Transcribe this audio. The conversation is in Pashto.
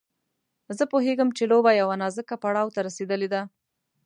زه پوهېږم چې لوبه يوه نازک پړاو ته رسېدلې ده.